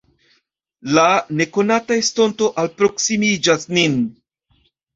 La nekonata estonto alproksimiĝas nin.